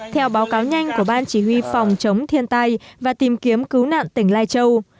theo báo cáo nhanh của ban chỉ huy phòng chống thiên tai và tìm kiếm cứu nạn tỉnh lai châu